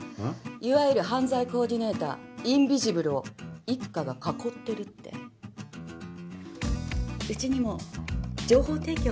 いわゆる犯罪コーディネーターインビジブルを一課が囲ってるってうちにも情報提供